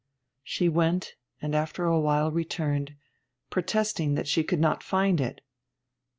She went, and after a while returned, protesting that she could not find it.